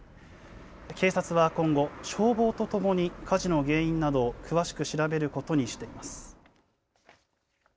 警察は今後、消防とともに火事の原因などを詳しく調べることにしています。